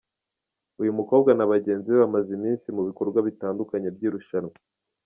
Uyu mukobwa na bagenzi be bamaze iminsi mu bikorwa bitandukanye by’irushanwa.